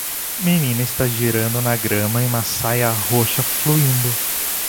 Menina está girando na grama em uma saia roxa fluindo